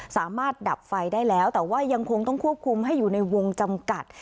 สามารถดับไฟได้แล้วแต่ว่ายังคงต้องควบคุมให้อยู่ในวงจำกัด